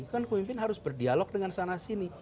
kan pemimpin harus berdialog dengan sana sini